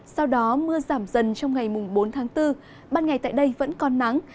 sau đó mưa giảm dần trong ngày mùng bốn tháng bốn ban ngày tại đây vẫn con nắng